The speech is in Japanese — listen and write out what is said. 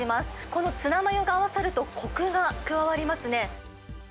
このツナマヨが合わさると、こくが加わりますね。